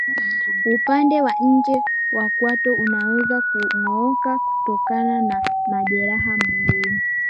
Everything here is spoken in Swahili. Upande wa nje wa kwato unaweza kung'ooka kutokana na majeraha mguuni